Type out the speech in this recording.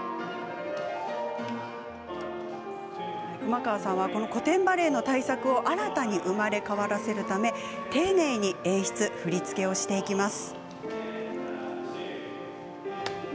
熊川さんは、古典バレエの大作を新たに生まれ変わらせるため丁寧に演出振り付けをしていきます。